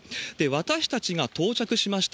私たちが到着しました